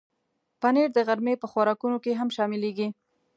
پنېر د غرمې په خوراکونو کې هم شاملېږي.